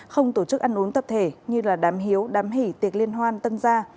không tổ chức ăn uống tập thể như đám hiếu đám hỷ tiệc liên hoan tân gia